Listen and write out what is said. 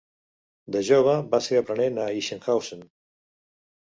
De jove, va ser aprenent a Ichenhausen.